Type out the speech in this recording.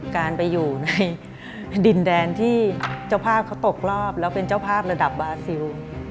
การไปอยู่ในดินแดนที่เจ้าภาพเขาตกรอบแล้วเป็นเจ้าภาพระดับบาซิล